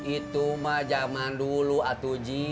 itu mah zaman dulu atuji